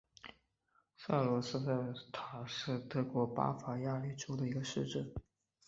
格罗赛布斯塔特是德国巴伐利亚州的一个市镇。